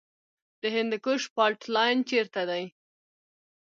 د هندوکش فالټ لاین چیرته دی؟